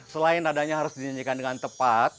selain nadanya harus dinyanyikan dengan tepat